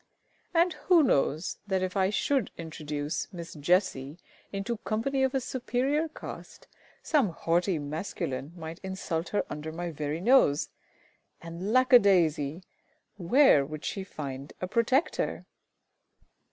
"] And who knows that if I should introduce Miss JESSIE into company of a superior caste, some haughty masculine might insult her under my very nose; and lack a daisy! where would she find a protector?